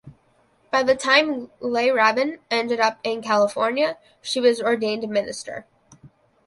By the time Le Ravin ended up in California she was an ordained minister.